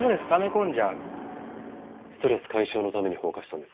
ストレス解消のために放火したんですか？